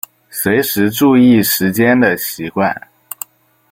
随时注意时间的习惯